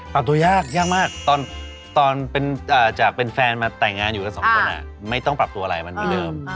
ปรับตัวยากยากมากตอนจากเป็นแฟนมาแต่งงานอยู่กันสองคนไม่ต้องปรับตัวอะไรมันเหมือนเดิม